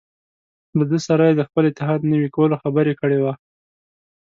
له ده سره یې د خپل اتحاد نوي کولو خبره کړې وه.